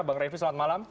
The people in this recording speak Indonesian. bang refli selamat malam